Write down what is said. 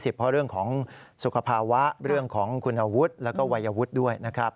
เพราะเรื่องของสุขภาวะเรื่องของคุณอาวุธแล้วก็วัยวุฒิด้วยนะครับ